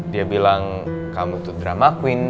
dia bilang kamu tuh drama queen